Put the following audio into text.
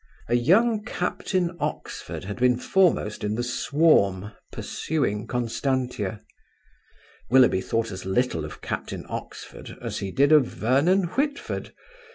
A young Captain Oxford had been foremost in the swarm pursuing Constantia. Willoughby thought as little of Captain Oxford as he did of Vernon Whitford.